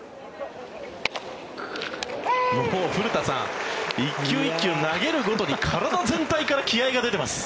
古田さん、１球１球投げるごとに体全体から気合が出てます。